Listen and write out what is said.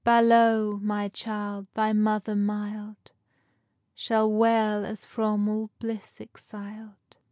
Balow, my child, thy mother mild Shall wail as from all bliss exil'd.